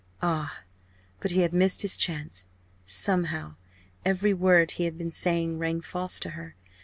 Ah! but he had missed his chance! Somehow, every word he had been saying rang false to her.